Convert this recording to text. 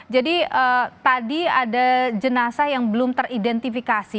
jadi tadi ada jenazah yang belum teridentifikasi